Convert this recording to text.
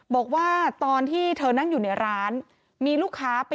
เจ้าของร้านนะคะ